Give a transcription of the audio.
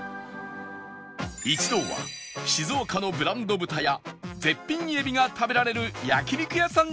一同は静岡のブランド豚や絶品エビが食べられる焼肉屋さん